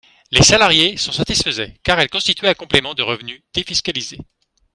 Les salariés s’en satisfaisaient, car elles constituaient un complément de revenu défiscalisé.